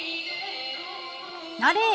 あれ！？